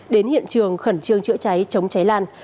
đến hiện trường khẩn trương chữa cháy chống cháy lan